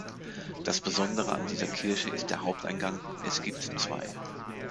Das Besondere an dieser Kirche ist der Haupteingang, es gibt zwei.